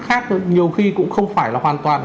khác nhiều khi cũng không phải là hoàn toàn